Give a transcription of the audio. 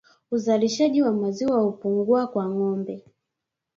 Uzalishaji wa maziwa hupungua kwa ngombe